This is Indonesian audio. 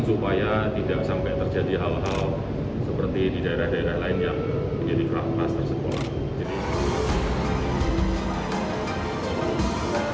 supaya tidak sampai terjadi hal hal seperti di daerah daerah lain yang menjadi kelas tersekolah